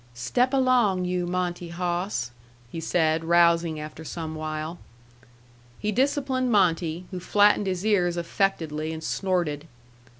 "Step along, you Monte hawss!" he said, rousing after some while. He disciplined Monte, who flattened his ears affectedly and snorted.